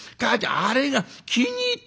あれが気に入った」。